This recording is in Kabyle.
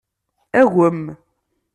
Agem.